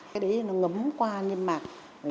cái đấy nó ngấm qua những